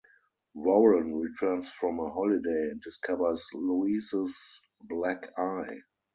Warren returns from a holiday and discovers Louise's black eye.